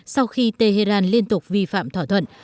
sau khi tehran liên tục vi phạm thỏa thuận